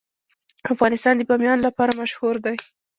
افغانستان د بامیان لپاره مشهور دی.